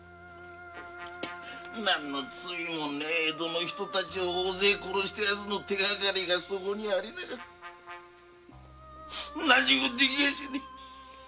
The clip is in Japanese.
何の罪もねぇ江戸の人たちを大勢殺したヤツの手がかりがそこにありながら何もできねぇ。